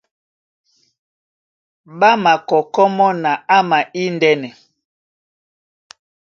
Ɓá makɔkɔ́ mɔ́ na ama índɛ́nɛ.